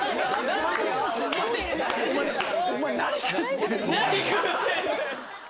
「何食ってんだよ」